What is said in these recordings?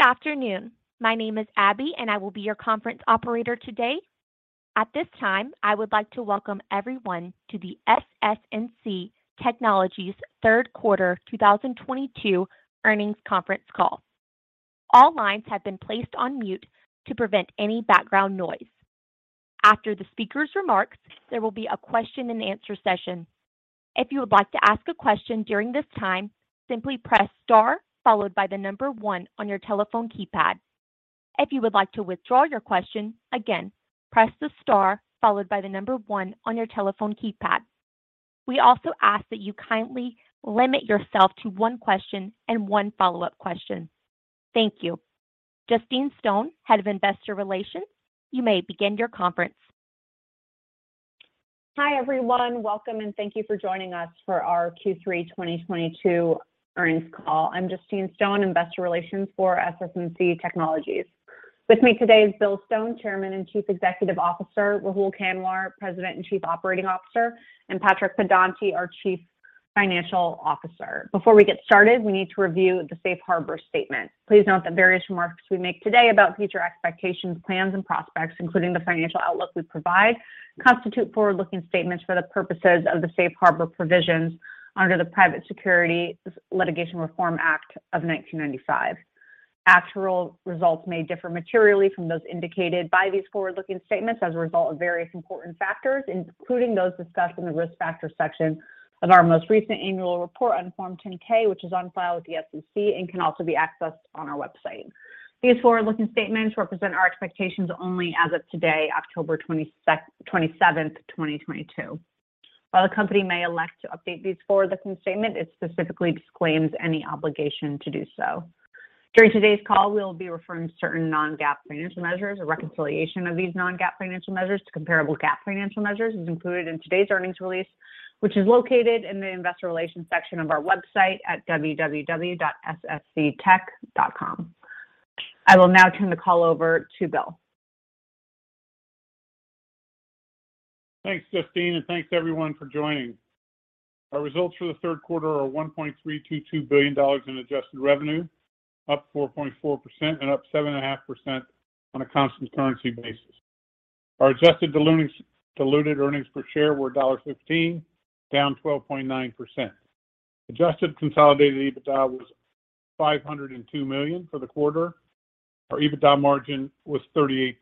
Good afternoon. My name is Abby, and I will be your conference operator today. At this time, I would like to welcome everyone to the SS&C Technologies Third Quarter 2022 Earnings Conference Call. All lines have been placed on mute to prevent any background noise. After the speaker's remarks, there will be a question and answer session. If you would like to ask a question during this time, simply press Star followed by the number One on your telephone keypad. If you would like to withdraw your question, again, press the Star followed by the number One on your telephone keypad. We also ask that you kindly limit yourself to one question and one follow-up question. Thank you. Justine Stone, Head of Investor Relations, you may begin your conference. Hi, everyone. Welcome and thank you for joining us for our Q3 2022 earnings call. I'm Justine Stone, Investor Relations for SS&C Technologies. With me today is Bill Stone, Chairman and Chief Executive Officer, Rahul Kanwar, President and Chief Operating Officer, and Patrick Pedonti, our Chief Financial Officer. Before we get started, we need to review the safe harbor statement. Please note that various remarks we make today about future expectations, plans, and prospects, including the financial outlook we provide, constitute forward-looking statements for the purposes of the safe harbor provisions under the Private Securities Litigation Reform Act of 1995. Actual results may differ materially from those indicated by these forward-looking statements as a result of various important factors, including those discussed in the risk factors section of our most recent annual report on Form 10-K, which is on file with the SEC and can also be accessed on our website. These forward-looking statements represent our expectations only as of today, October 27, 2022. While the company may elect to update these forward-looking statement, it specifically disclaims any obligation to do so. During today's call, we'll be referring to certain non-GAAP financial measures. A reconciliation of these non-GAAP financial measures to comparable GAAP financial measures is included in today's earnings release, which is located in the investor relations section of our website at www.ssctech.com. I will now turn the call over to Bill. Thanks, Justine, and thanks everyone for joining. Our results for the third quarter are $1.322 billion in adjusted revenue, up 4.4% and up 7.5% on a constant currency basis. Our adjusted diluted earnings per share were $0.15, down 12.9%. Adjusted consolidated EBITDA was $502 million for the quarter. Our EBITDA margin was 38%.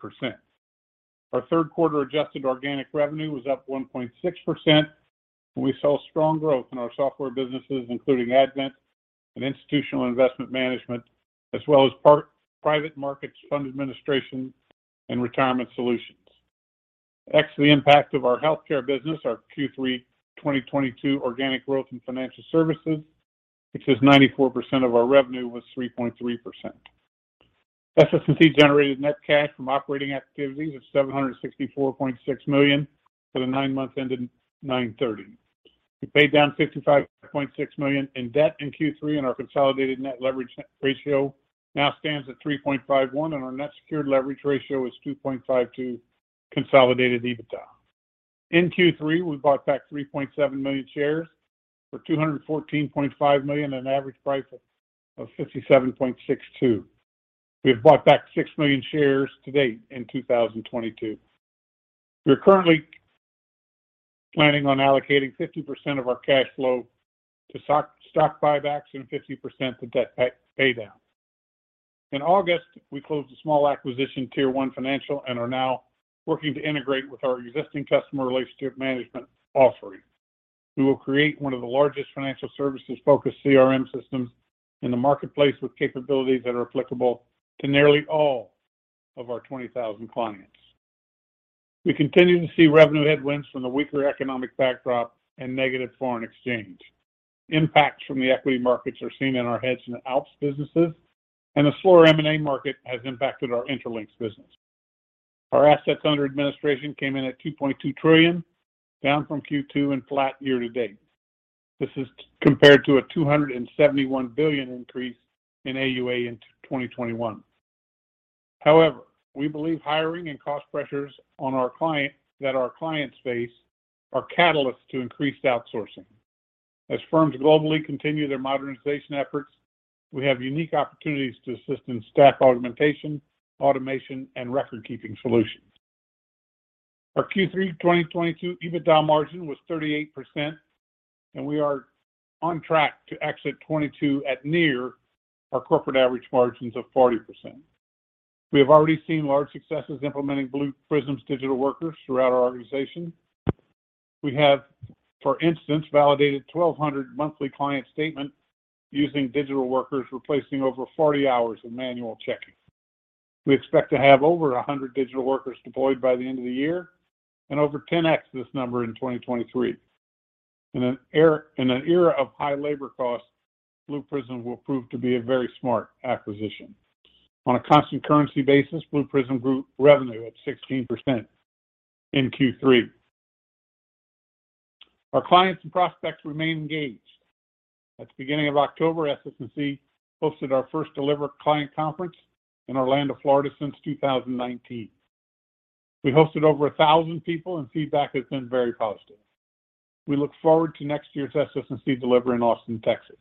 Our third quarter adjusted organic revenue was up 1.6%. We saw strong growth in our software businesses, including Advent and Institutional Investment Management, as well as part Private Markets Fund Administration and Retirement Solutions. Ex the impact of our healthcare business, our Q3 2022 organic growth in financial services, which is 94% of our revenue, was 3.3%. SS&C generated net cash from operating activities of $764.6 million for the nine months ending 9/30. We paid down $55.6 million in debt in Q3, and our consolidated net leverage ratio now stands at 3.51, and our net secured leverage ratio is 2.52 consolidated EBITDA. In Q3, we bought back 3.7 million shares for $214.5 million, an average price of $57.62. We have bought back 6 million shares to date in 2022. We are currently planning on allocating 50% of our cash flow to stock buybacks and 50% to debt pay down. In August, we closed a small acquisition, Tier1 Financial Solutions, and are now working to integrate with our existing customer relationship management offering. We will create one of the largest financial services-focused CRM systems in the marketplace with capabilities that are applicable to nearly all of our 20,000 clients. We continue to see revenue headwinds from the weaker economic backdrop and negative foreign exchange. Impacts from the equity markets are seen in our Hedge and ALPS businesses, and the slower M&A market has impacted our Intralinks business. Our assets under administration came in at $2.2 trillion, down from Q2 and flat year to date. This is compared to a $271 billion increase in AUA in 2021. However, we believe hiring and cost pressures that our clients face are catalysts to increased outsourcing. As firms globally continue their modernization efforts, we have unique opportunities to assist in staff augmentation, automation, and record-keeping solutions. Our Q3 2022 EBITDA margin was 38%, and we are on track to exit 2022 at near our corporate average margins of 40%. We have already seen large successes implementing Blue Prism's digital workers throughout our organization. We have, for instance, validated 1,200 monthly client statements using digital workers, replacing over 40 hours of manual checking. We expect to have over 100 digital workers deployed by the end of the year and over 10x this number in 2023. In an era of high labor costs, Blue Prism will prove to be a very smart acquisition. On a constant currency basis, Blue Prism grew revenue of 16% in Q3. Our clients and prospects remain engaged. At the beginning of October, SS&C hosted our first SS&C Deliver Client Conference in Orlando, Florida since 2019. We hosted over 1,000 people, and feedback has been very positive. We look forward to next year's SS&C Deliver in Austin, Texas.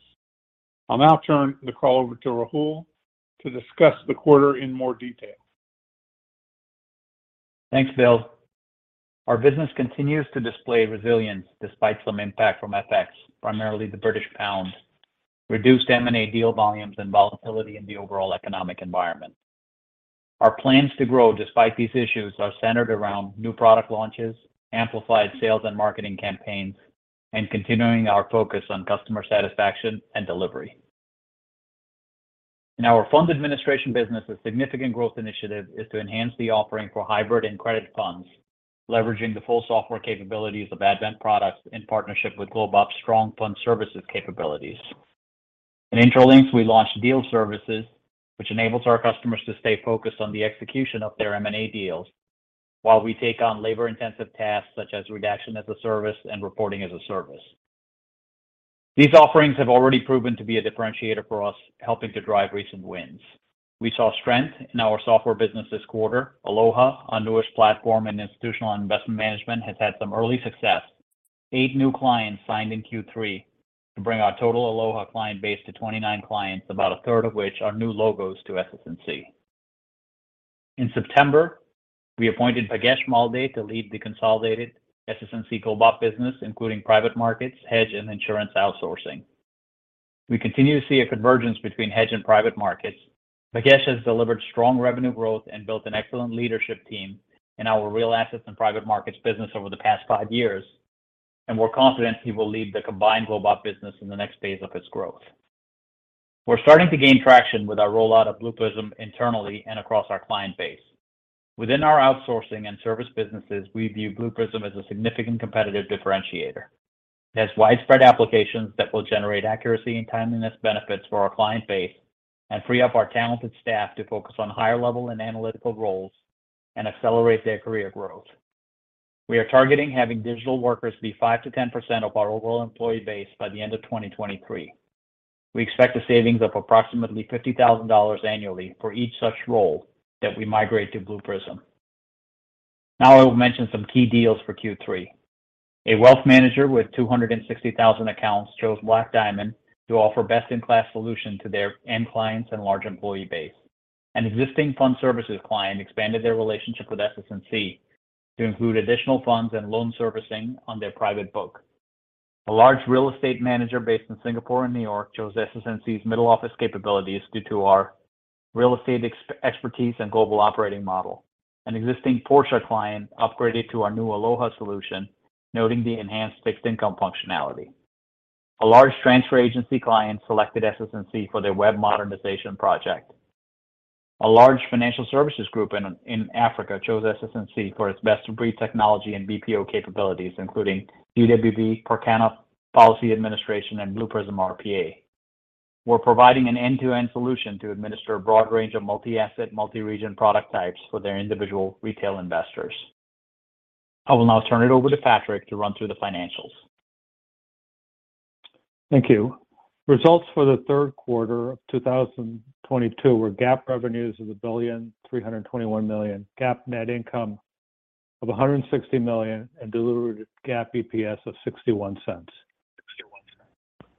I'll now turn the call over to Rahul to discuss the quarter in more detail. Thanks, Bill. Our business continues to display resilience despite some impact from FX, primarily the British pound, reduced M&A deal volumes and volatility in the overall economic environment. Our plans to grow despite these issues are centered around new product launches, amplified sales and marketing campaigns, and continuing our focus on customer satisfaction and delivery. In our funds administration business, a significant growth initiative is to enhance the offering for hybrid and credit funds, leveraging the full software capabilities of Advent products in partnership with GlobeOp Fund Services capabilities. In Intralinks, we launched deal services, which enables our customers to stay focused on the execution of their M&A deals while we take on labor-intensive tasks such as redaction as a service and reporting as a service. These offerings have already proven to be a differentiator for us, helping to drive recent wins. We saw strength in our software business this quarter. Aloha, our newest platform in institutional investment management, has had some early success. Eight new clients signed in Q3 to bring our total Aloha client base to 29 clients, about a third of which are new logos to SS&C. In September, we appointed Bhagesh Malde to lead the consolidated SS&C Global business, including private markets, hedge, and insurance outsourcing. We continue to see a convergence between hedge and private markets. Bhagesh Malde has delivered strong revenue growth and built an excellent leadership team in our real assets and private markets business over the past five years, and we're confident he will lead the combined Global business in the next phase of its growth. We're starting to gain traction with our rollout of Blue Prism internally and across our client base. Within our outsourcing and service businesses, we view Blue Prism as a significant competitive differentiator. It has widespread applications that will generate accuracy and timeliness benefits for our client base and free up our talented staff to focus on higher level and analytical roles and accelerate their career growth. We are targeting having digital workers be 5%-10% of our overall employee base by the end of 2023. We expect a savings of approximately $50,000 annually for each such role that we migrate to Blue Prism. Now I will mention some key deals for Q3. A wealth manager with 260,000 accounts chose Black Diamond to offer best-in-class solution to their end clients and large employee base. An existing fund services client expanded their relationship with SS&C to include additional funds and loan servicing on their private book. A large real estate manager based in Singapore and New York chose SS&C's middle office capabilities due to our real estate expertise and global operating model. An existing Portia client upgraded to our new Aloha solution, noting the enhanced fixed income functionality. A large transfer agency client selected SS&C for their web modernization project. A large financial services group in Africa chose SS&C for its best-of-breed technology and BPO capabilities, including DWB, Percana, Policy Administration, and Blue Prism RPA. We're providing an end-to-end solution to administer a broad range of multi-asset, multi-region product types for their individual retail investors. I will now turn it over to Patrick to run through the financials. Thank you. Results for the third quarter of 2022 were GAAP revenues of $1.321 billion, GAAP net income of $160 million, and diluted GAAP EPS of $0.61.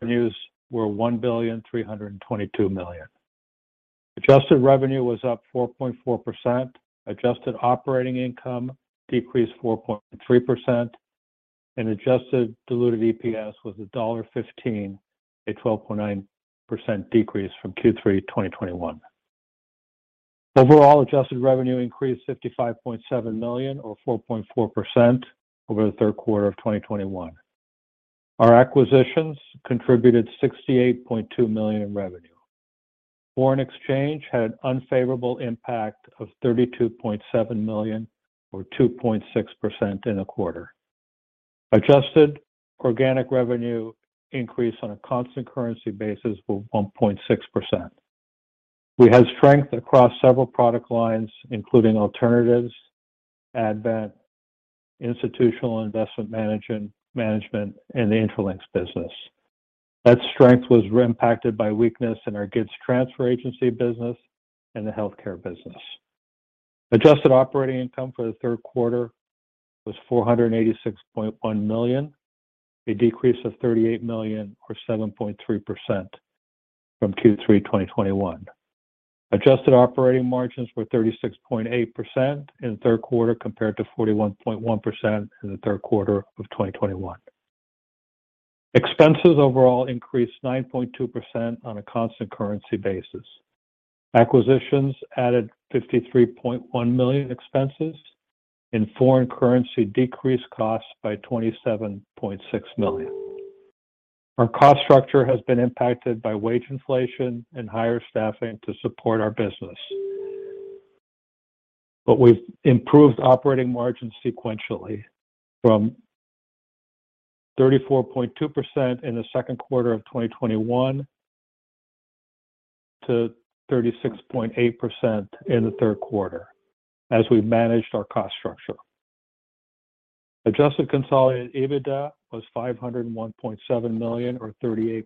Revenues were $1.322 billion. Adjusted revenue was up 4.4%. Adjusted operating income decreased 4.3%, and adjusted diluted EPS was $1.15, a 12.9% decrease from Q3 2021. Overall adjusted revenue increased $55.7 million or 4.4% over the third quarter of 2021. Our acquisitions contributed $68.2 million in revenue. Foreign exchange had unfavorable impact of $32.7 million or 2.6% in a quarter. Adjusted organic revenue increase on a constant currency basis was 1.6%. We had strength across several product lines, including alternatives, Advent, Institutional Investment Management, and the Intralinks business. That strength was impacted by weakness in our GIDS transfer agency business and the healthcare business. Adjusted operating income for the third quarter was $486.1 million, a decrease of $38 million or 7.3% from Q3 2021. Adjusted operating margins were 36.8% in the third quarter compared to 41.1% in the third quarter of 2021. Expenses overall increased 9.2% on a constant currency basis. Acquisitions added $53.1 million expenses, and foreign currency decreased costs by $27.6 million. Our cost structure has been impacted by wage inflation and higher staffing to support our business. We've improved operating margins sequentially from 34.2% in the second quarter of 2021 to 36.8% in the third quarter as we managed our cost structure. Adjusted consolidated EBITDA was $501.7 million or 38%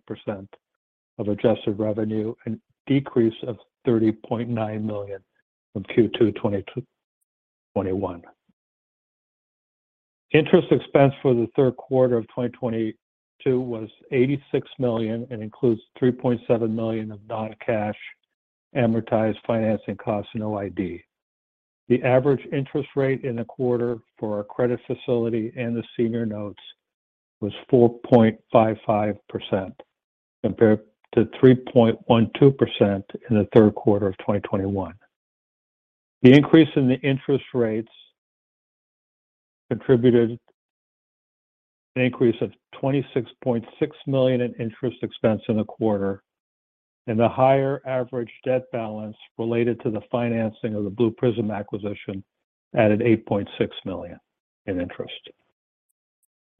of adjusted revenue, a decrease of $30.9 million from Q2 2021. Interest expense for the third quarter of 2022 was $86 million and includes $3.7 million of non-cash amortized financing costs and OID. The average interest rate in the quarter for our credit facility and the senior notes was 4.55% compared to 3.12% in the third quarter of 2021. The increase in the interest rates contributed an increase of $26.6 million in interest expense in the quarter, and the higher average debt balance related to the financing of the Blue Prism acquisition added $8.6 million in interest.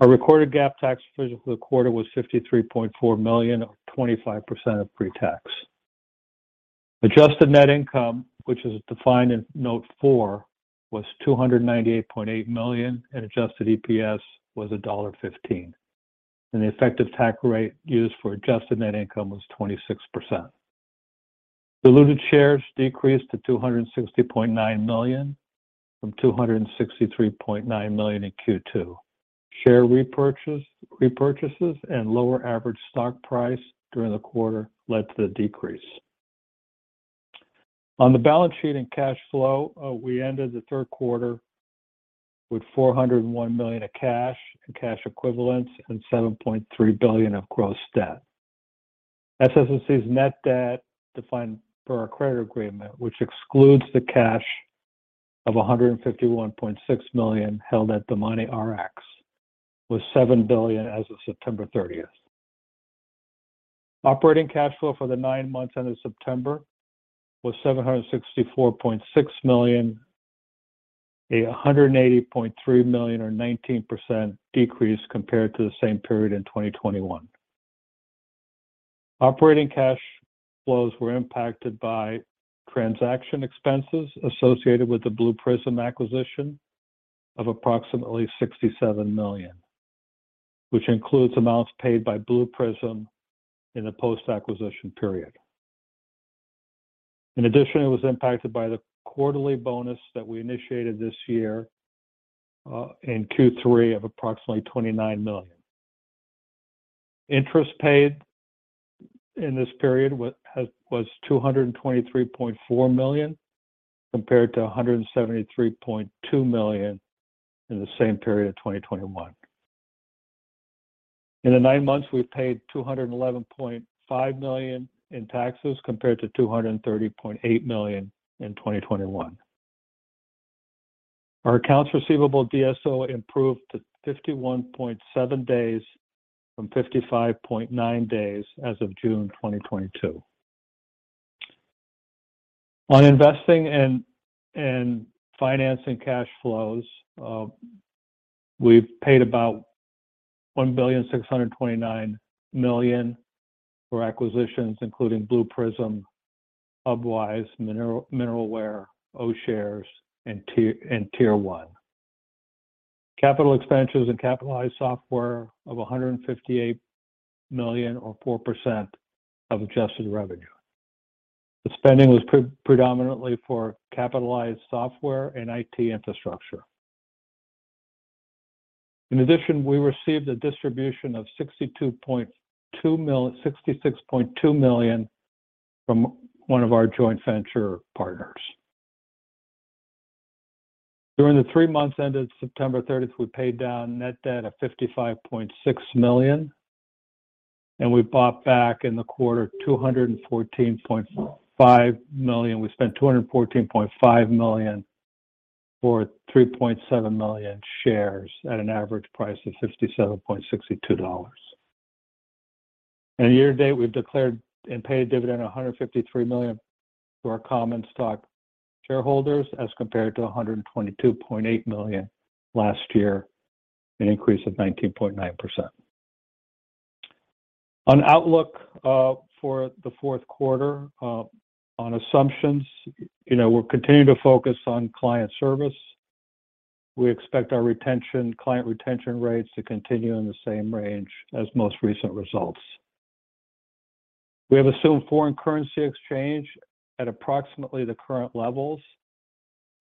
Our recorded GAAP tax for the quarter was $53.4 million, or 25% of pre-tax. Adjusted net income, which is defined in note four, was $298.8 million, and adjusted EPS was $1.15. The effective tax rate used for adjusted net income was 26%. Diluted shares decreased to 260.9 million from 263.9 million in Q2. Share repurchases and lower average stock price during the quarter led to the decrease. On the balance sheet and cash flow, we ended the third quarter with $401 million of cash and cash equivalents and $7.3 billion of gross debt. SS&C's net debt, defined per our credit agreement, which excludes the cash of $151.6 million held at DomaniRx, was $7 billion as of September 30th. Operating cash flow for the nine months ended September was $764.6 million, $180.3 million or 19% decrease compared to the same period in 2021. Operating cash flows were impacted by transaction expenses associated with the Blue Prism acquisition of approximately $67 million, which includes amounts paid by Blue Prism in the post-acquisition period. In addition, it was impacted by the quarterly bonus that we initiated this year, in Q3 of approximately $29 million. Interest paid in this period was $223.4 million, compared to $173.2 million in the same period of 2021. In the nine months, we paid $211.5 million in taxes, compared to $230.8 million in 2021. Our accounts receivable DSO improved to 51.7 days from 55.9 days as of June 2022. On investing and financing cash flows, we've paid about $1.629 billion for acquisitions including Blue Prism, Hubwise, MineralTree, O'Shares and Tier1. Capital expenditures and capitalized software of $158 million or 4% of adjusted revenue. The spending was predominantly for capitalized software and IT infrastructure. In addition, we received a distribution of $66.2 million from one of our joint venture partners. During the three months ended September thirtieth, we paid down net debt of $55.6 million, and we bought back in the quarter $214.5 million. We spent $214.5 million for 3.7 million shares at an average price of $57.62. Year to date, we've declared and paid a dividend of $153 million to our common stock shareholders, as compared to $122.8 million last year, an increase of 19.9%. On outlook, for the fourth quarter, on assumptions, you know, we're continuing to focus on client service. We expect client retention rates to continue in the same range as most recent results. We have assumed foreign currency exchange at approximately the current levels,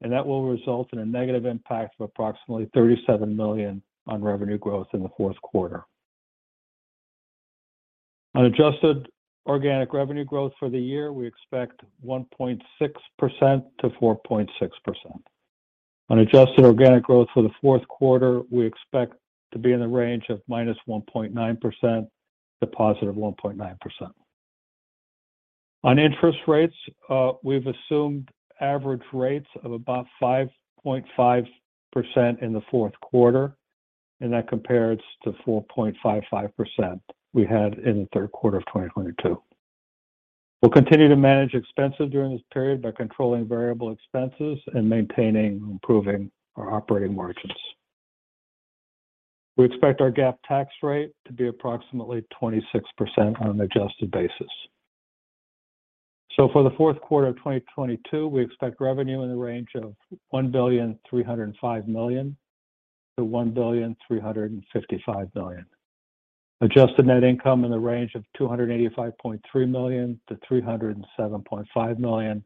and that will result in a negative impact of approximately $37 million on revenue growth in the fourth quarter. On adjusted organic revenue growth for the year, we expect 1.6%-4.6%. On adjusted organic growth for the fourth quarter, we expect to be in the range of -1.9% to +1.9%. On interest rates, we've assumed average rates of about 5.5% in the fourth quarter, and that compares to 4.55% we had in the third quarter of 2022. We'll continue to manage expenses during this period by controlling variable expenses and maintaining and improving our operating margins. We expect our GAAP tax rate to be approximately 26% on an adjusted basis. For the fourth quarter of 2022, we expect revenue in the range of $1.305 billion-$1.355 billion. Adjusted net income in the range of $285.3 million-$307.5 million,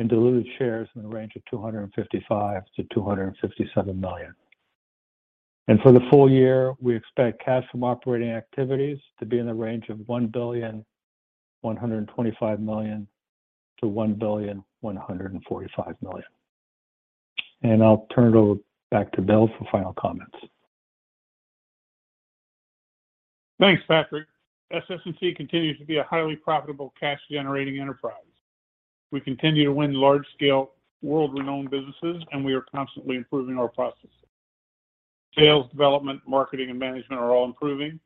and diluted shares in the range of 255 million-267 million. For the full year, we expect cash from operating activities to be in the range of $1.125 billion-$1.145 billion. I'll turn it over back to Bill for final comments. Thanks, Patrick. SS&C continues to be a highly profitable cash-generating enterprise. We continue to win large-scale world-renowned businesses, and we are constantly improving our processes. Sales, development, marketing, and management are all improving.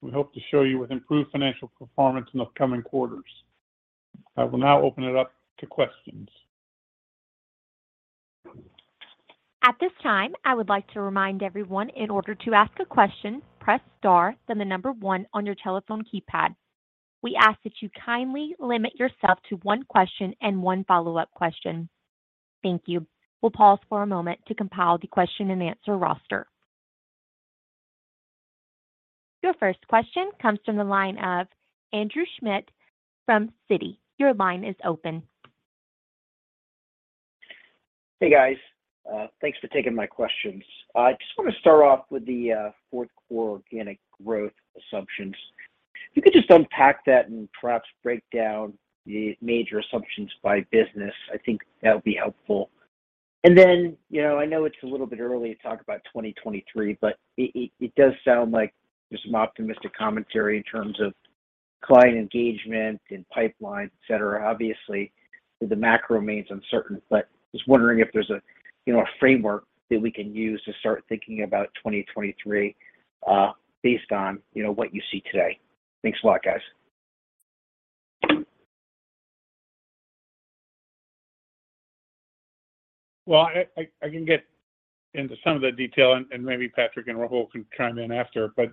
We hope to show you with improved financial performance in the upcoming quarters. I will now open it up to questions. At this time, I would like to remind everyone in order to ask a question, press star then the number one on your telephone keypad. We ask that you kindly limit yourself to one question and one follow-up question. Thank you. We'll pause for a moment to compile the question-and-answer roster. Your first question comes from the line of Andrew Schmidt from Citi. Your line is open. Hey, guys. Thanks for taking my questions. I just want to start off with the 4% core organic growth assumptions. If you could just unpack that and perhaps break down the major assumptions by business, I think that would be helpful. You know, I know it's a little bit early to talk about 2023, but it does sound like there's some optimistic commentary in terms of client engagement and pipeline, et cetera. Obviously, the macro remains uncertain, but just wondering if there's a framework that we can use to start thinking about 2023, based on what you see today. Thanks a lot, guys. I can get into some of the detail and maybe Patrick and Rahul can chime in after. You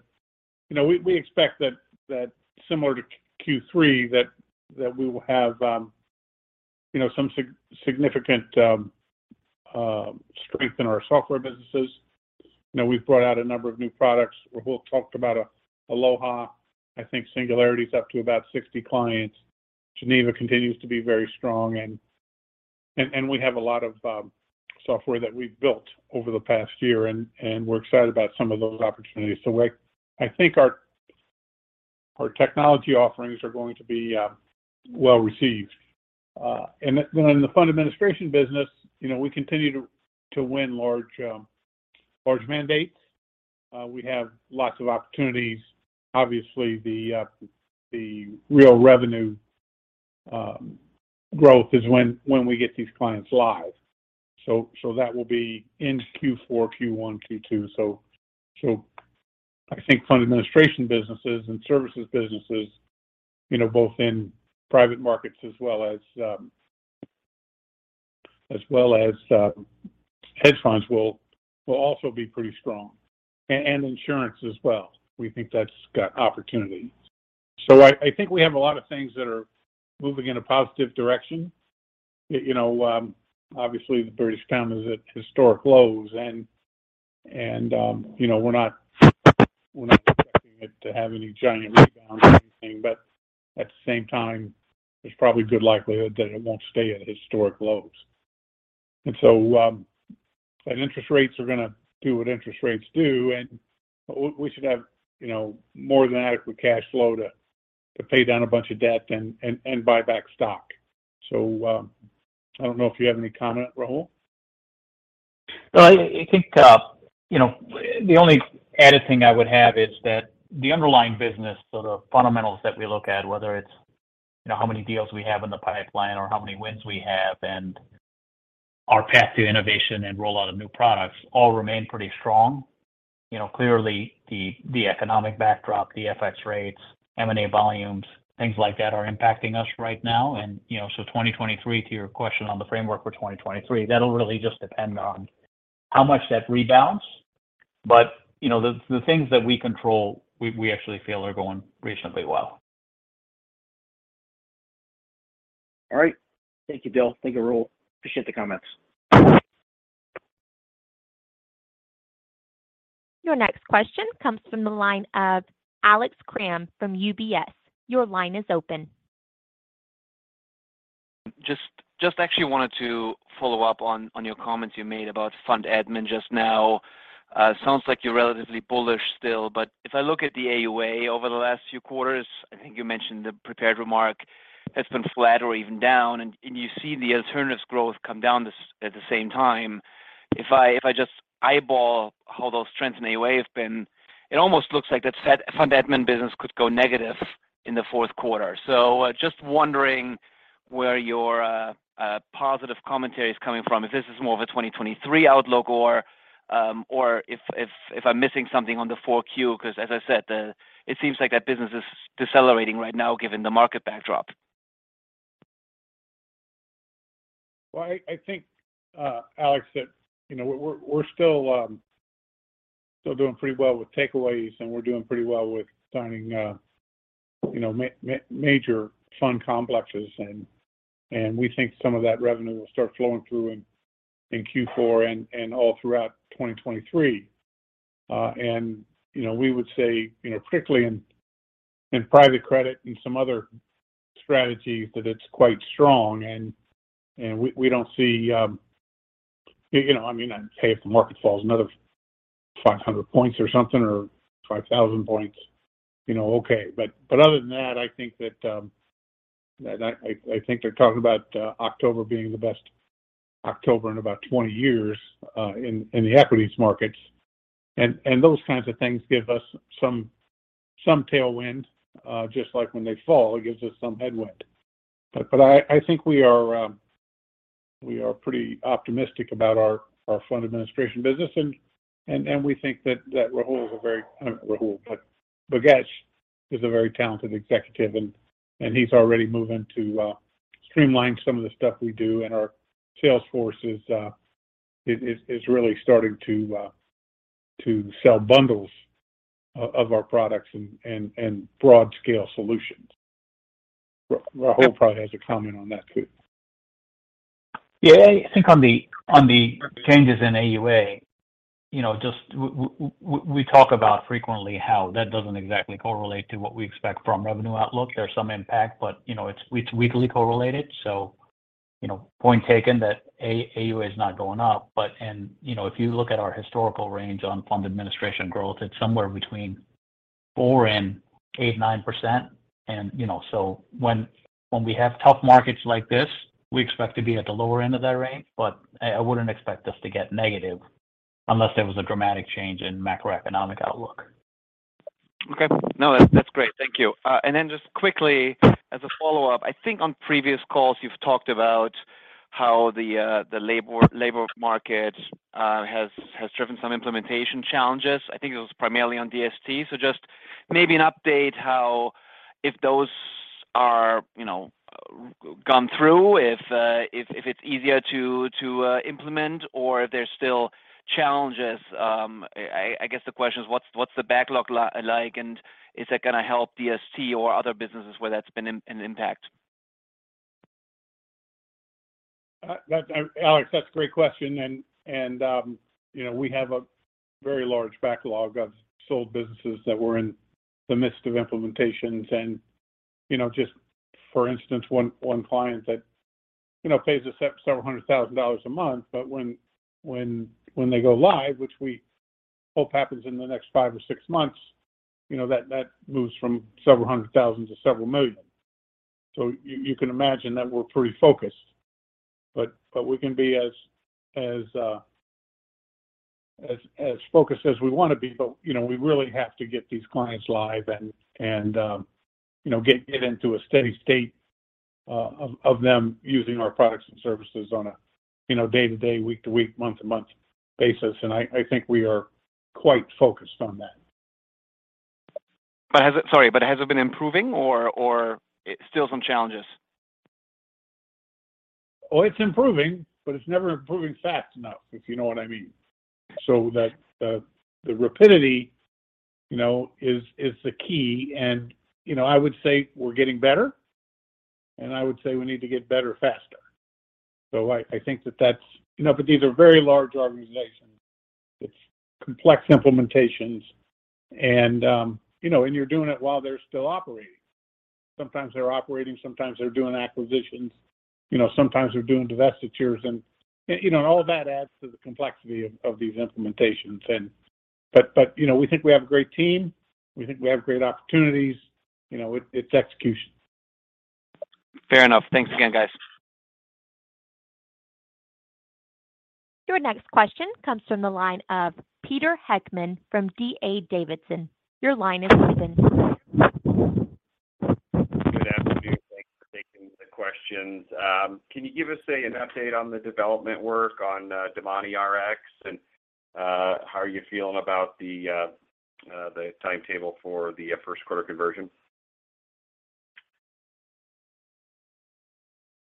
know, we expect that similar to Q3, that we will have, you know, some significant strength in our software businesses. You know, we've brought out a number of new products. Rahul talked about Aloha. I think Singularity is up to about 60 clients. Geneva continues to be very strong, and we have a lot of software that we've built over the past year and we're excited about some of those opportunities. I think our technology offerings are going to be well-received. And then in the fund administration business, you know, we continue to win large mandates. We have lots of opportunities. Obviously, the real revenue growth is when we get these clients live. That will be in Q4, Q1, Q2. I think fund administration businesses and services businesses, you know, both in private markets as well as hedge funds will also be pretty strong, and insurance as well. We think that's got opportunity. I think we have a lot of things that are moving in a positive direction. You know, obviously, the British pound is at historic lows and, you know, we're not expecting it to have any giant rebound or anything. At the same time, there's probably good likelihood that it won't stay at historic lows. Interest rates are gonna do what interest rates do, and we should have, you know, more than adequate cash flow to pay down a bunch of debt and buy back stock. I don't know if you have any comment, Rahul. No, I think, you know, the only added thing I would have is that the underlying business, so the fundamentals that we look at, whether it's, you know, how many deals we have in the pipeline or how many wins we have and our path to innovation and rollout of new products all remain pretty strong. You know, clearly the economic backdrop, the FX rates, M&A volumes, things like that are impacting us right now. You know, 2023, to your question on the framework for 2023, that'll really just depend on how much that rebounds. You know, the things that we control, we actually feel are going reasonably well. All right. Thank you, Bill. Thank you, Rahul. Appreciate the comments. Your next question comes from the line of Alex Kramm from UBS. Your line is open. Just actually wanted to follow up on your comments you made about fund admin just now. Sounds like you're relatively bullish still, but if I look at the AUA over the last few quarters, I think you mentioned the prepared remark has been flat or even down, and you see the alternatives growth come down at the same time. If I just eyeball how those trends in AUA have been, it almost looks like that fund admin business could go negative in the fourth quarter. Just wondering where your positive commentary is coming from, if this is more of a 2023 outlook or if I'm missing something on the 4Q. Because as I said, it seems like that business is decelerating right now given the market backdrop. Well, I think, Alex, that you know, we're still doing pretty well with takeaways, and we're doing pretty well with signing, you know, major fund complexes. We think some of that revenue will start flowing through in Q4 and all throughout 2023. You know, we would say, you know, particularly in private credit and some other strategies that it's quite strong, and we don't see. You know, I mean, hey, if the market falls another 500 points or something, or 5,000 points, you know, okay. But other than that, I think they're talking about October being the best October in about 20 years in the equities markets. Those kinds of things give us some tailwind, just like when they fall, it gives us some headwind. I think we are pretty optimistic about our fund administration business and we think that not Rahul, but Bhagesh is a very talented executive and he's already moving to streamline some of the stuff we do, and our sales force is really starting to sell bundles of our products and broad scale solutions. Rahul probably has a comment on that too. Yeah. I think on the changes in AUA, you know, just we talk about frequently how that doesn't exactly correlate to what we expect from revenue outlook. There's some impact, but, you know, it's weakly correlated. You know, point taken that AUA is not going up. You know, if you look at our historical range on fund administration growth, it's somewhere between 4%-9%. You know, when we have tough markets like this, we expect to be at the lower end of that range. I wouldn't expect us to get negative unless there was a dramatic change in macroeconomic outlook. Okay. No, that's great. Thank you. Just quickly as a follow-up, I think on previous calls you've talked about how the labor market has driven some implementation challenges. I think it was primarily on DST. Just maybe an update how if those are, you know, gone through, if it's easier to implement or if there's still challenges. I guess the question is what's the backlog like, and is that gonna help DST or other businesses where that's been an impact? Alex, that's a great question. You know, we have a very large backlog of sold businesses that we're in the midst of implementations. You know, just for instance, one client that, you know, pays us several hundred thousand dollars a month, but when they go live, which we hope happens in the next five or six months, you know, that moves from several hundred thousand to several million. You can imagine that we're pretty focused. We can be as focused as we wanna be. You know, we really have to get these clients live and, you know, get into a steady state of them using our products and services on a day to day, week to week, month to month basis. I think we are quite focused on that. Has it been improving or still some challenges? Oh, it's improving, but it's never improving fast enough, if you know what I mean. The rapidity, you know, is the key. You know, I would say we're getting better, and I would say we need to get better faster. I think that's. You know, but these are very large organizations. It's complex implementations and, you know, and you're doing it while they're still operating. Sometimes they're operating, sometimes they're doing acquisitions. You know, sometimes they're doing divestitures. You know, all of that adds to the complexity of these implementations. You know, we think we have a great team. We think we have great opportunities. You know, it's execution. Fair enough. Thanks again, guys. Your next question comes from the line of Peter Heckmann from D.A. Davidson. Your line is open. Good afternoon. Thanks for taking the questions. Can you give us, say, an update on the development work on DomaniRx and how are you feeling about the timetable for the first quarter conversion?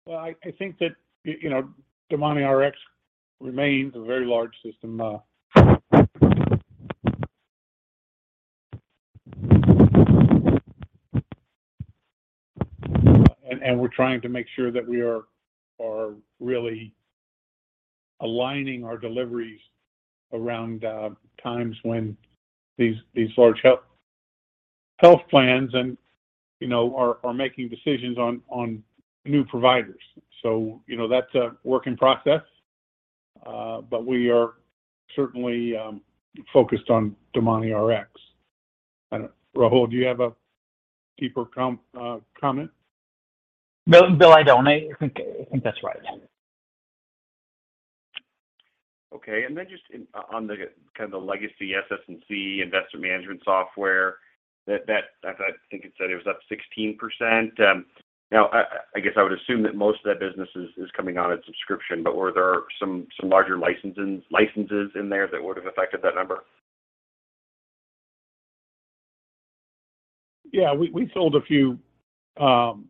Well, I think that you know, DomaniRx remains a very large system. And we're trying to make sure that we are really aligning our deliveries around times when these large health plans and you know are making decisions on new providers. You know, that's a work in progress, but we are certainly focused on DomaniRx. I don't. Rahul, do you have a deeper comment? Bill, I don't. I think that's right. Okay. Just on the kind of the legacy SS&C investor management software that I think it said it was up 16%. Now I guess I would assume that most of that business is coming on a subscription, but were there some larger licenses in there that would have affected that number? Yeah, we sold a few on-prem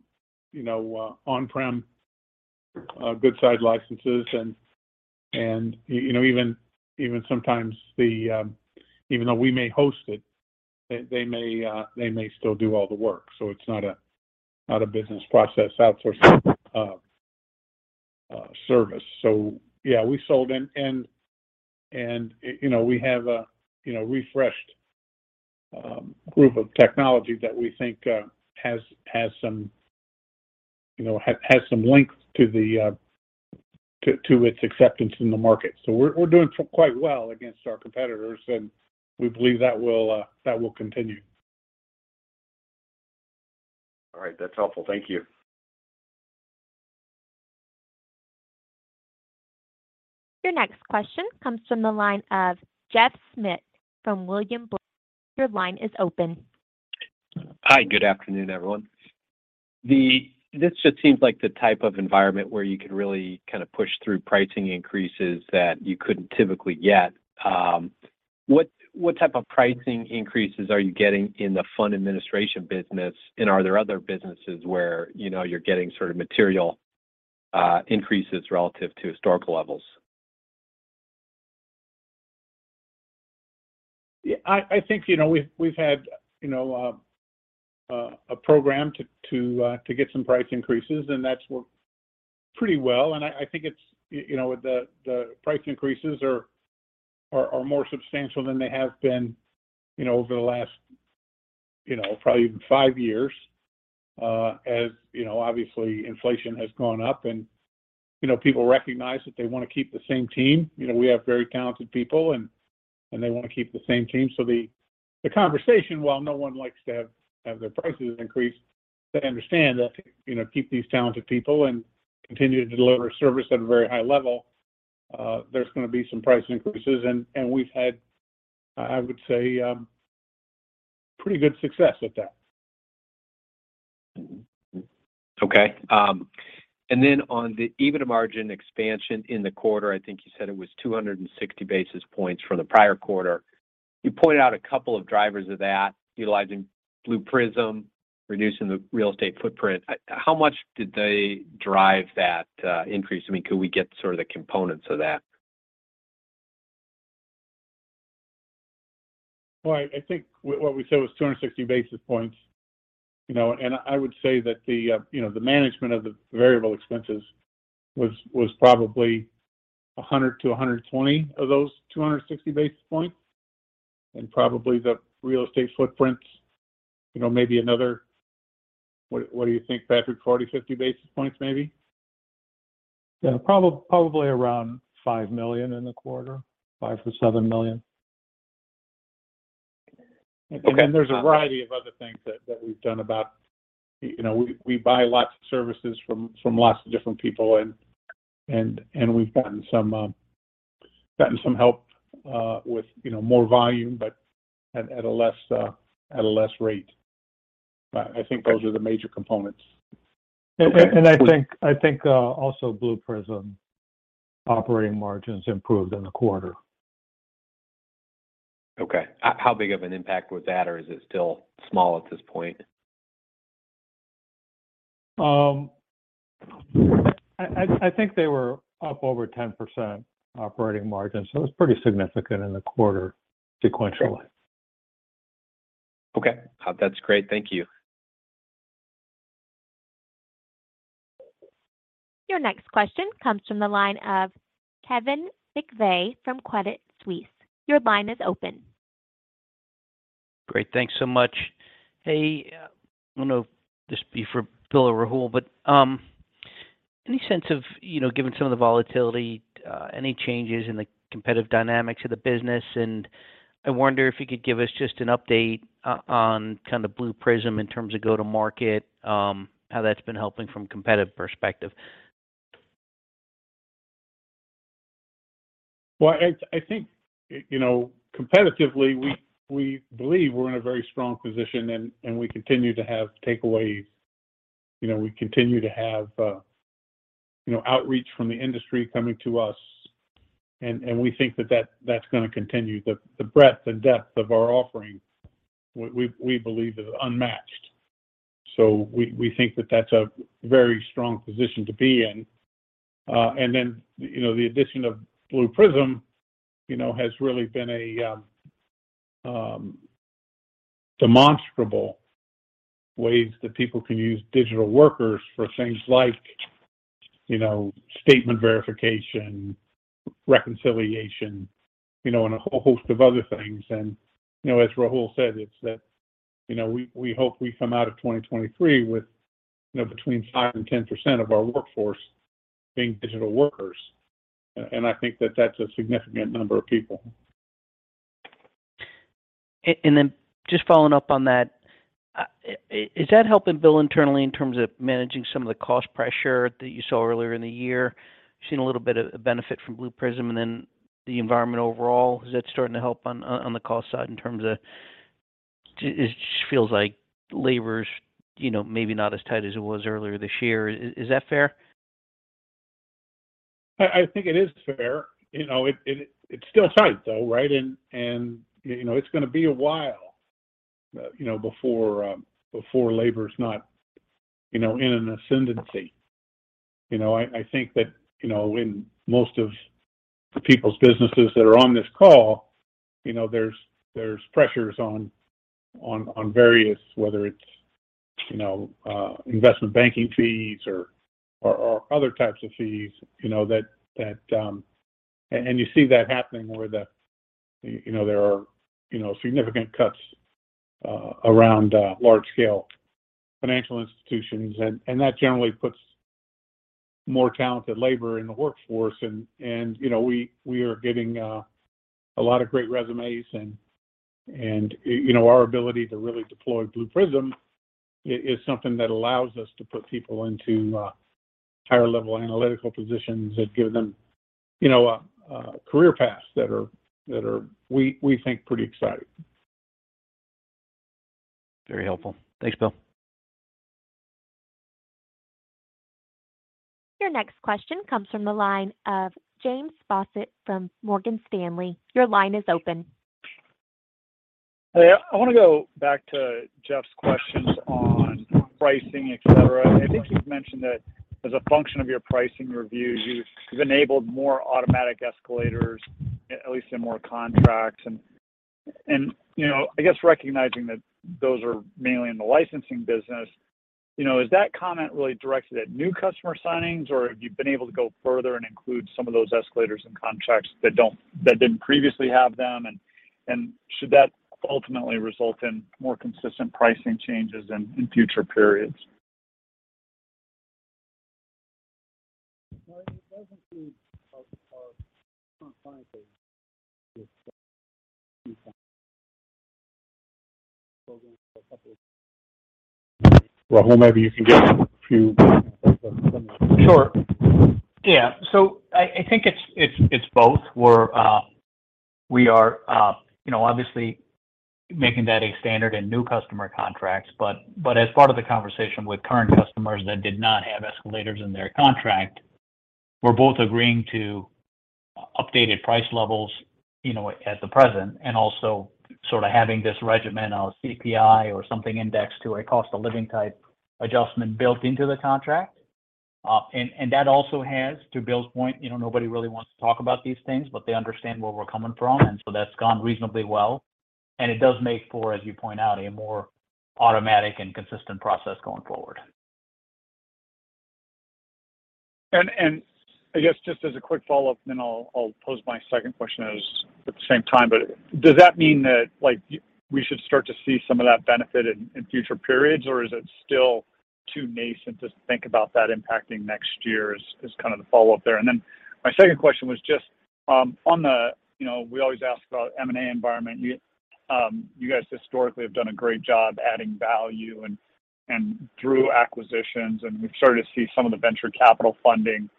Geneva licenses and even sometimes even though we may host it, they may still do all the work. So it's not a business process outsourcing service. Yeah, you know, we have a, you know, refreshed group of technology that we think has some, you know, links to its acceptance in the market. We're doing quite well against our competitors, and we believe that will continue. All right. That's helpful. Thank you. Your next question comes from the line of Jeff Schmitt from William Blair. Your line is open. Hi. Good afternoon, everyone. This just seems like the type of environment where you can really kind of push through pricing increases that you couldn't typically get. What type of pricing increases are you getting in the fund administration business? Are there other businesses where, you know, you're getting sort of material increases relative to historical levels? Yeah, I think, you know, we've had, you know, a program to get some price increases, and that's worked pretty well. I think it's, you know, the price increases are more substantial than they have been, you know, over the last, you know, probably five years, as, you know, obviously inflation has gone up and, you know, people recognize that they want to keep the same team. You know, we have very talented people and they want to keep the same team. The conversation, while no one likes to have their prices increased, they understand that to, you know, keep these talented people and continue to deliver service at a very high level, there's gonna be some price increases. We've had, I would say, pretty good success with that. Okay. On the EBITDA margin expansion in the quarter, I think you said it was 260 basis points for the prior quarter. You pointed out a couple of drivers of that, utilizing Blue Prism, reducing the real estate footprint. How much did they drive that increase? I mean, could we get sort of the components of that? Well, I think what we said was 260 basis points, you know, and I would say that the, you know, the management of the variable expenses was probably 100 to 120 of those 260 basis points. And probably the real estate footprint, you know, maybe another. What do you think, Patrick? 40, 50 basis points, maybe? Yeah. Probably around $5 million in the quarter. $5 million-$7 million. Okay. And then there's a variety of other things that we've done about. You know, we buy lots of services from lots of different people and we've gotten some help with, you know, more volume, but at a less rate. But I think those are the major components. And I think I think, also Blue Prism operating margins improved in the quarter. Okay. How big of an impact was that, or is it still small at this point? I think they were up over 10% operating margin, so it was pretty significant in the quarter sequentially. Okay. That's great. Thank you. Your next question comes from the line of Kevin McVeigh from Credit Suisse. Your line is open. Great. Thanks so much. Hey, I don't know if this is best for Bill or Rahul, but any sense of, you know, given some of the volatility, any changes in the competitive dynamics of the business? I wonder if you could give us just an update on kind of Blue Prism in terms of go to market, how that's been helping from competitive perspective. Well, I think, you know, competitively, we believe we're in a very strong position and we continue to have takeaways. You know, we continue to have, you know, outreach from the industry coming to us, and we think that that's gonna continue. The breadth and depth of our offering, we believe is unmatched. We think that that's a very strong position to be in. You know, the addition of Blue Prism, you know, has really been in demonstrable ways that people can use digital workers for things like, you know, statement verification, reconciliation, you know, and a whole host of other things. You know, as Rahul said, it's that, you know, we hope we come out of 2023 with, you know, between 5% and 10% of our workforce being digital workers. I think that that's a significant number of people. Just following up on that, is that helping Bill internally in terms of managing some of the cost pressure that you saw earlier in the year? You've seen a little bit of benefit from Blue Prism and then the environment overall. Is that starting to help on the cost side in terms of it. It just feels like labor's, you know, maybe not as tight as it was earlier this year. Is that fair? I think it is fair. You know, it's still tight though, right? You know, it's gonna be a while before labor is not in an ascendancy. You know, I think that in most of the people's businesses that are on this call, you know, there's pressures on various whether it's investment banking fees or other types of fees. You see that happening where there are significant cuts around large scale financial institutions. That generally puts more talented labor in the workforce. You know, we are getting a lot of great resumes and, you know, our ability to really deploy Blue Prism is something that allows us to put people into higher-level analytical positions that give them, you know, a career paths that are, we think, pretty exciting. Very helpful. Thanks, Bill. Your next question comes from the line of James Faucette from Morgan Stanley. Your line is open. Hey. I wanna go back to Jeff's questions on pricing, et cetera. I think you've mentioned that as a function of your pricing review, you've enabled more automatic escalators, at least in more contracts. You know, I guess recognizing that those are mainly in the licensing business. You know, is that comment really directed at new customer signings, or have you been able to go further and include some of those escalators in contracts that didn't previously have them? Should that ultimately result in more consistent pricing changes in future periods? Well, it doesn't include our current client base with, Rahul, maybe you can give a few. I think it's both. We are, you know, obviously making that a standard in new customer contracts. As part of the conversation with current customers that did not have escalators in their contract, we're both agreeing to updated price levels, you know, at the present, and also sort of having this regimen of CPI or something indexed to a cost of living type adjustment built into the contract. That also has, to Bill's point, you know, nobody really wants to talk about these things, but they understand where we're coming from, and so that's gone reasonably well. It does make for, as you point out, a more automatic and consistent process going forward. I guess just as a quick follow-up, then I'll pose my second question at the same time. Does that mean that, like, we should start to see some of that benefit in future periods, or is it still too nascent to think about that impacting next year? Is kind of the follow-up there. My second question was just on the, you know, we always ask about M&A environment. You guys historically have done a great job adding value and through acquisitions, and we've started to see some of the venture capital funding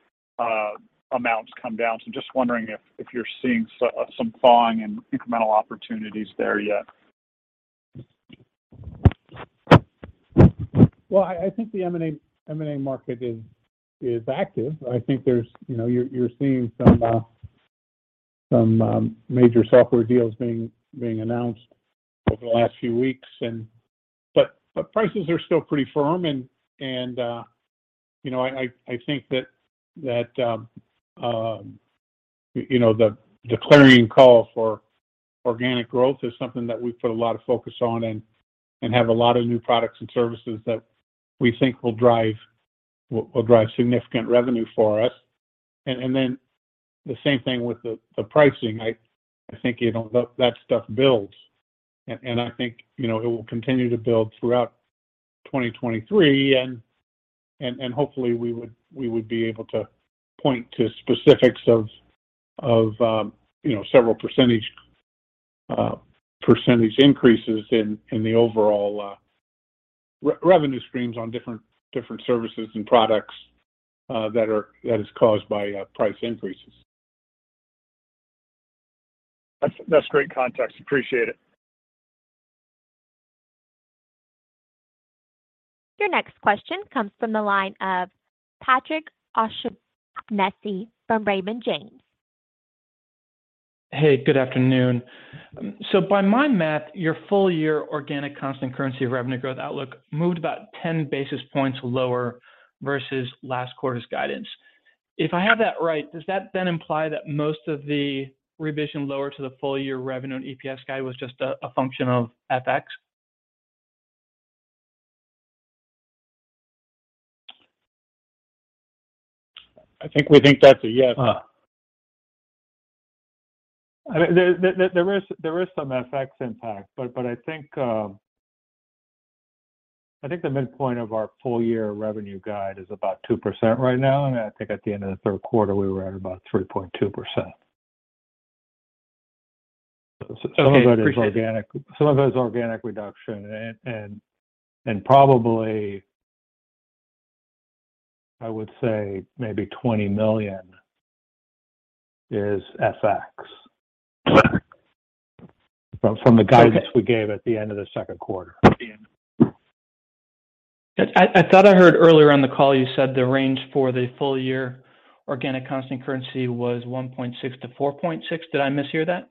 amounts come down. Just wondering if you're seeing some thawing and incremental opportunities there yet. Well, I think the M&A market is active. I think there's, you know, you're seeing some major software deals being announced over the last few weeks. But prices are still pretty firm and, you know, I think that the clarion call for organic growth is something that we've put a lot of focus on and have a lot of new products and services that we think will drive significant revenue for us. Then the same thing with the pricing. I think, you know, that stuff builds. I think, you know, it will continue to build throughout 2023. Hopefully we would be able to point to specifics of, you know, several percentage increases in the overall revenue streams on different services and products that is caused by price increases. That's great context. Appreciate it. Your next question comes from the line of Patrick O'Shaughnessy from Raymond James. Hey, good afternoon. By my math, your full year organic constant currency revenue growth outlook moved about 10 basis points lower versus last quarter's guidance. If I have that right, does that then imply that most of the revision lower to the full year revenue and EPS guide was just a function of FX? I think we think that's a yes. Uh. I mean, there is some FX impact. But I think the midpoint of our full year revenue guide is about 2% right now. I think at the end of the third quarter we were at about 3.2%. Okay. Appreciate it. Some of it is organic, some of it is organic reduction. Probably, I would say maybe $20 million is FX. From the guidance we gave at the end of the second quarter. I thought I heard earlier on the call you said the range for the full year organic constant currency was 1.6%-4.6%. Did I mishear that?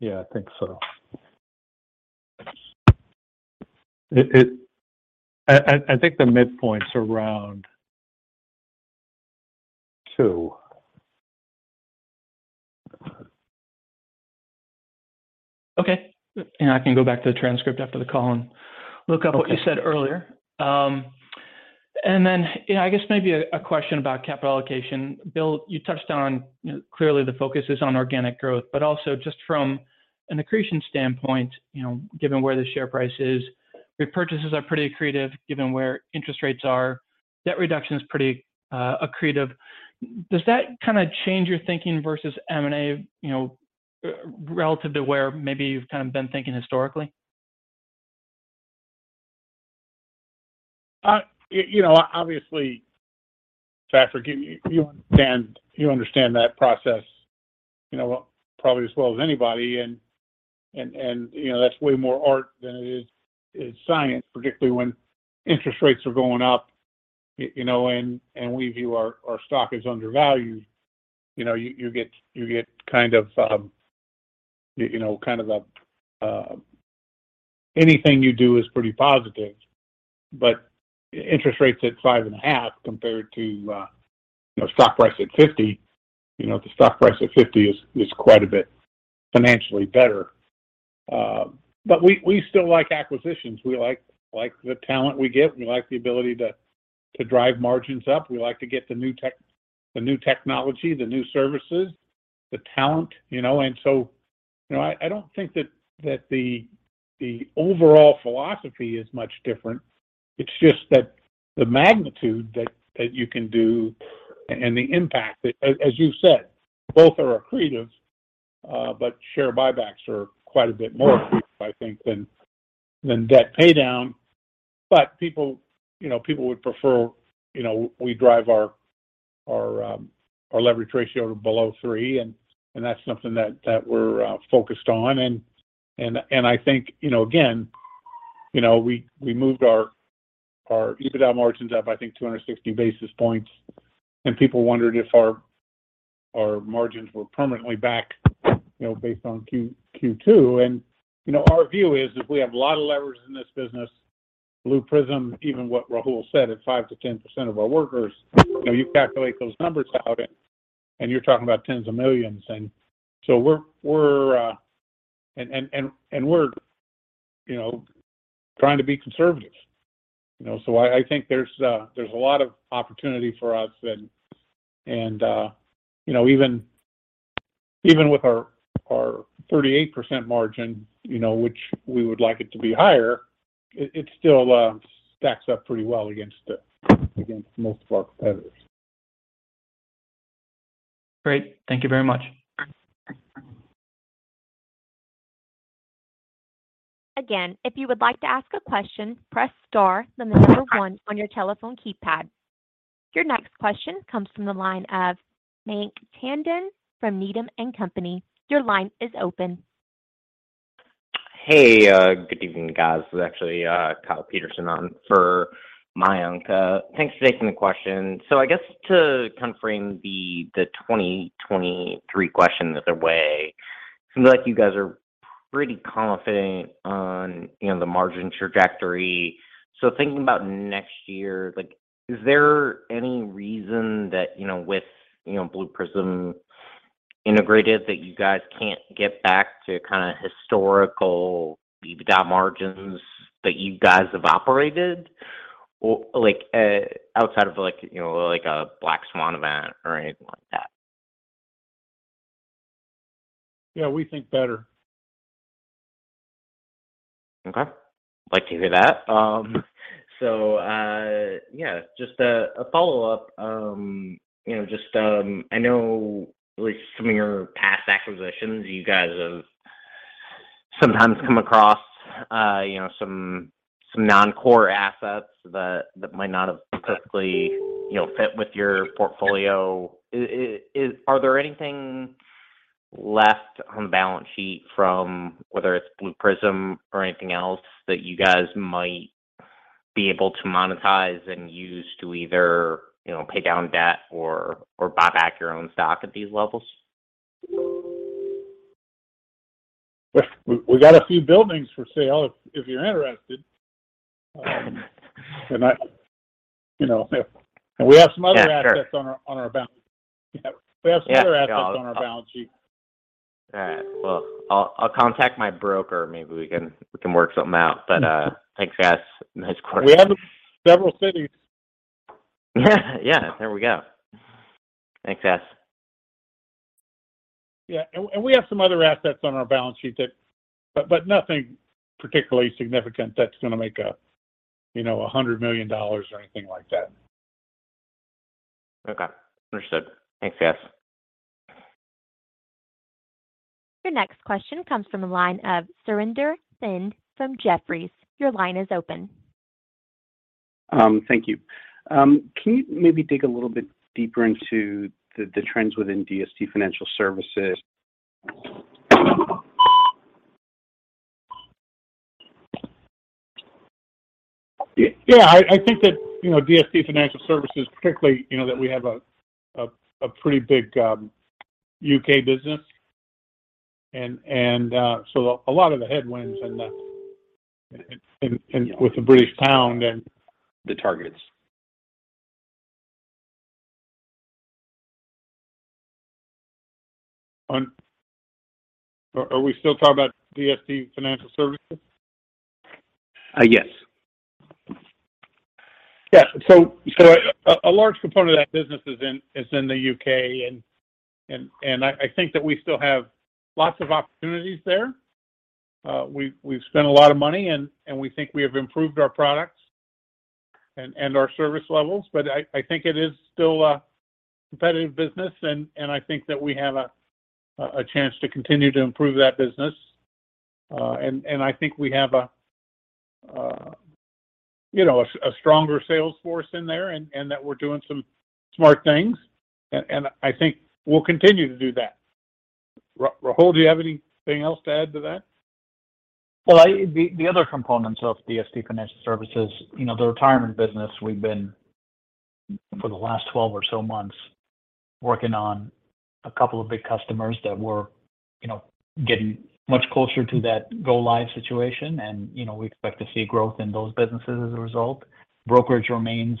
Yeah, I think so. I think the midpoint's around two. Okay. I can go back to the transcript after the call and look up what you said earlier. You know, I guess maybe a question about capital allocation. Bill, you touched on, you know, clearly the focus is on organic growth, but also just from an accretion standpoint, you know, given where the share price is, repurchases are pretty accretive given where interest rates are. Debt reduction is pretty accretive. Does that kinda change your thinking versus M&A, you know, relative to where maybe you've kind of been thinking historically? You know, obviously, Patrick, you understand that process, you know, probably as well as anybody, and you know, that's way more art than it is science, particularly when interest rates are going up, you know, and we view our stock as undervalued. You know, you get kind of, you know, kind of anything you do is pretty positive. Interest rates at 5.5% compared to stock price at $50, you know, the stock price at $50 is quite a bit financially better. We still like acquisitions. We like the talent we get, and we like the ability to drive margins up. We like to get the new technology, the new services, the talent, you know. You know, I don't think that the overall philosophy is much different. It's just that the magnitude that you can do and the impact that, as you said, both are accretive, but share buybacks are quite a bit more accretive, I think, than debt paydown. People, you know, people would prefer, you know, we drive our leverage ratio to below three, and I think, you know, again, you know, we moved our EBITDA margins up, I think 260 basis points, and people wondered if our margins were permanently back, you know, based on Q2. Our view is if we have a lot of leverage in this business, Blue Prism, even what Rahul said, at 5%-10% of our workers, you know, you calculate those numbers out and you're talking about tens of millions. We're trying to be conservative, you know. I think there's a lot of opportunity for us and you know, even with our 38% margin, you know, which we would like it to be higher, it still stacks up pretty well against most of our competitors. Great. Thank you very much. Again, if you would like to ask a question, press star, then the number one on your telephone keypad. Your next question comes from the line of Mayank Tandon from Needham & Company. Your line is open. Hey, good evening, guys. This is actually, Kyle Peterson on for Mayank. Thanks for taking the question. I guess to kind of frame the 2023 question either way, it seems like you guys are pretty confident on, you know, the margin trajectory. Thinking about next year, like, is there any reason that, you know, with, you know, Blue Prism integrated that you guys can't get back to kinda historical EBITDA margins that you guys have operated? Or like, outside of like, you know, like a black swan event or anything like that? Yeah, we think better. Okay. Like to hear that. Yeah, just a follow-up. You know, just, I know at least some of your past acquisitions, you guys have sometimes come across, you know, some non-core assets that might not have specifically, you know, fit with your portfolio. Are there anything left on the balance sheet from whether it's Blue Prism or anything else that you guys might be able to monetize and use to either, you know, pay down debt or buy back your own stock at these levels? We got a few buildings for sale if you're interested. You know, if we have some other. Yeah, sure. Assets on our balance. We have some other assets on our balance sheet. All right. Well, I'll contact my broker. Maybe we can work something out. Thanks, guys. Nice quarter. We have several cities. Yeah, yeah. There we go. Thanks, guys. Yeah. We have some other assets on our balance sheet that. But nothing particularly significant that's gonna make, you know, $100 million or anything like that. Okay. Understood. Thanks, guys. Your next question comes from the line of Surinder Thind from Jefferies. Your line is open. Thank you. Can you maybe dig a little bit deeper into the trends within DST Financial Services? Yeah, I think that, you know, DST Financial Services particularly, you know, that we have a pretty big U.K. business. A lot of the headwinds with the British pound and- The targets. Are we still talking about DST Financial Services? Yes. Yeah. A large component of that business is in the U.K. and I think that we still have lots of opportunities there. We've spent a lot of money and we think we have improved our products and our service levels. I think it is still a competitive business and I think that we have a chance to continue to improve that business. I think we have a you know a stronger sales force in there and that we're doing some smart things. I think we'll continue to do that. Rahul, do you have anything else to add to that? The other components of DST Financial Services, you know, the retirement business we've been, for the last 12 or so months, working on a couple of big customers that were, you know, getting much closer to that go live situation. You know, we expect to see growth in those businesses as a result. Brokerage remains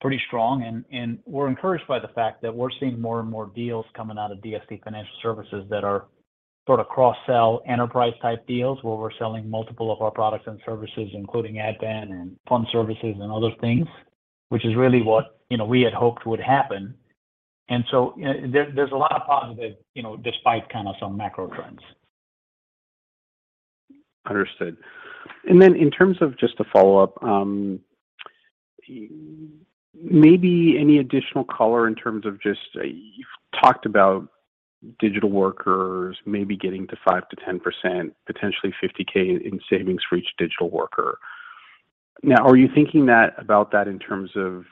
pretty strong and we're encouraged by the fact that we're seeing more and more deals coming out of DST Financial Services that are sort of cross-sell enterprise type deals, where we're selling multiple of our products and services, including Advent and Fund Services and other things, which is really what, you know, we had hoped would happen. There's a lot of positive, you know, despite kind of some macro trends. Understood. In terms of just a follow-up, maybe any additional color in terms of just you've talked about digital workers maybe getting to 5%-10%, potentially $50,000 in savings for each digital worker. Now, are you thinking that, about that in terms of,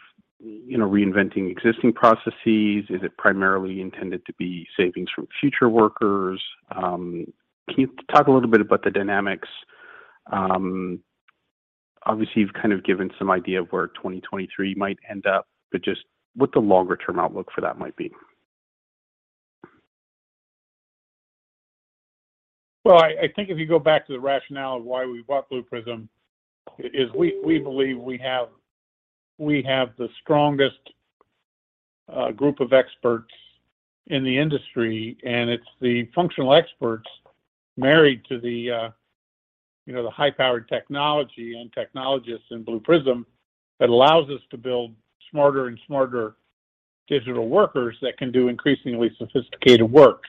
you know, reinventing existing processes? Is it primarily intended to be savings from future workers? Can you talk a little bit about the dynamics? Obviously, you've kind of given some idea of where 2023 might end up, but just what the longer term outlook for that might be. Well, I think if you go back to the rationale of why we bought Blue Prism is we believe we have the strongest group of experts in the industry, and it's the functional experts married to the, you know, the high-powered technology and technologists in Blue Prism that allows us to build smarter and smarter digital workers that can do increasingly sophisticated work.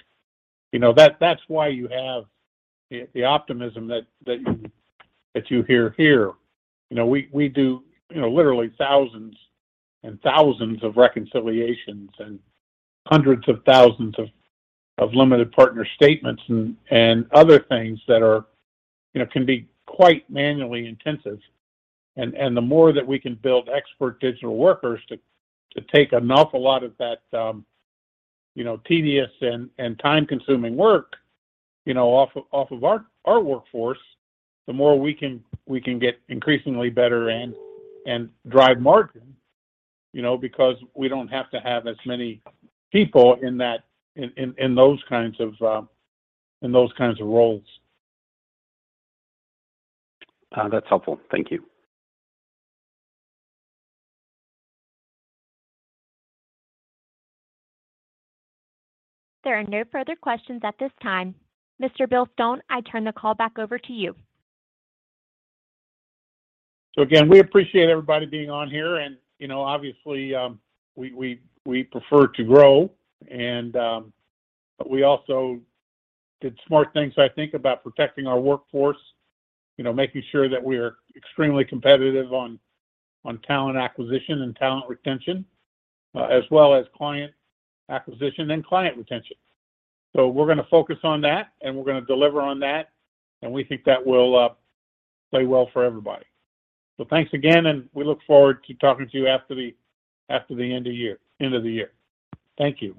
You know, that's why you have the optimism that you hear here. You know, we do, you know, literally thousands and thousands of reconciliations and hundreds of thousands of limited partner statements and other things that are can be quite manually intensive. The more that we can build expert digital workers to take an awful lot of that, you know, tedious and time-consuming work, you know, off of our workforce, the more we can get increasingly better and drive margin. You know, because we don't have to have as many people in that in those kinds of roles. That's helpful. Thank you. There are no further questions at this time. Mr. Bill Stone, I turn the call back over to you. Again, we appreciate everybody being on here. You know, obviously, we prefer to grow and, but we also did smart things, I think, about protecting our workforce. You know, making sure that we're extremely competitive on talent acquisition and talent retention, as well as client acquisition and client retention. We're gonna focus on that, and we're gonna deliver on that, and we think that will play well for everybody. Thanks again, and we look forward to talking to you after the end of the year. Thank you.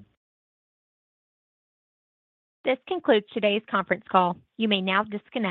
This concludes today's conference call. You may now disconnect.